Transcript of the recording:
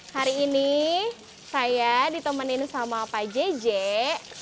hari ini saya ditemenin sama pak jj